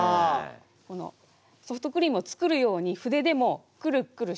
このソフトクリームを作るように筆でもクルクルシュッと。